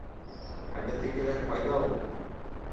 — Ә беҙҙекеләр ҡайҙа ул?